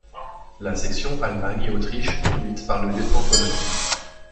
La section Allemagne et Autriche, conduite par le Lt-Col.